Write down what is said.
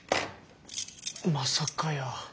まさかやー。